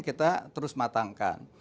kita terus matangkan